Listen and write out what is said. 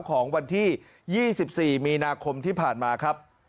ของวันที่๒๔มีนาคมที่ผ่านมาครับ